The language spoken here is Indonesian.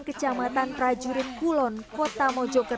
kecamatan trajurin kulon kota mojoker